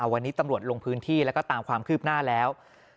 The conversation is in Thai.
วันนี้ตำรวจลงพื้นที่แล้วก็ตามความคืบหน้าแล้ว